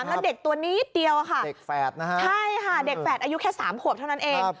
แล้วเด็กตัวนิดเดียวอะค่ะเด็กแฝดนะฮะใช่ค่ะเด็กแฝดอายุแค่๓ขวบเท่านั้นเอง